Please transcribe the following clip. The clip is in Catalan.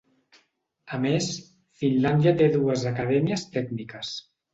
A més, Finlàndia té dues acadèmies tècniques.